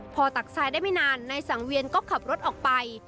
พอตักทรายได้ไม่นานนายสังเวียนก็ขับรถออกไป